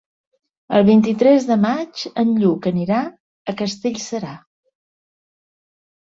El vint-i-tres de maig en Lluc anirà a Castellserà.